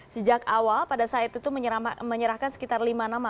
sejak awal pada saat itu menyerahkan sekitar lima nama